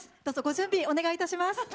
どうぞご準備お願いいたします。